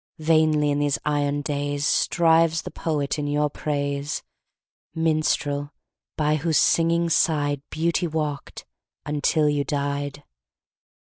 Vainly, in these iron days, Strives the poet in your praise, Minstrel, by whose singing side Beauty walked, until you died.